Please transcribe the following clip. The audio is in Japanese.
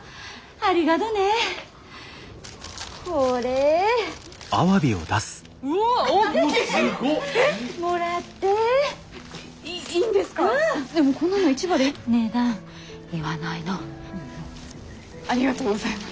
ありがとうございます。